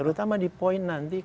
terutama di poin nanti